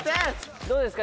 どうですか？